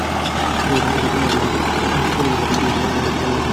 সুতরাং আমরা সত্যবাদী হিসেবে আপনার কাছে প্রমাণিত হতে পারিনি।